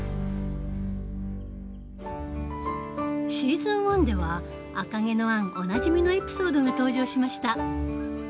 シーズン１では「赤毛のアン」おなじみのエピソードが登場しました。